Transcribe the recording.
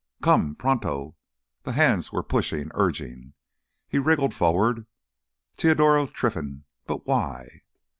"Come—pronto!" The hands were pushing, urging. He wriggled forward. Teodoro Trinfan! But why?